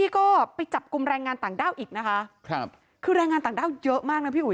ครับคือแรงงานต่างด้าวเยอะมากนะพี่อุ๊ย